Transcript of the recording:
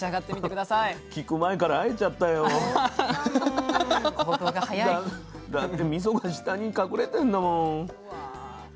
だってみそが下に隠れてんだもん。